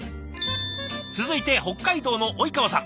続いて北海道のオイカワさん。